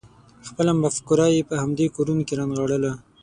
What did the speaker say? خپله مفکوره یې په همدې کورونو کې رانغاړله.